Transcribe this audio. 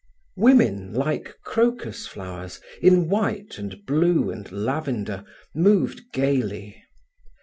Women, like crocus flowers, in white and blue and lavender, moved gaily.